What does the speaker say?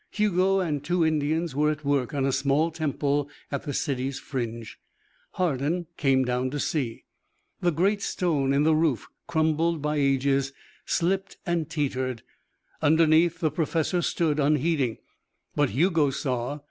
Hugo and two Indians were at work on a small temple at the city's fringe. Hardin came down to see. The great stone in the roof, crumbled by ages, slipped and teetered. Underneath the professor stood, unheeding. But Hugo saw.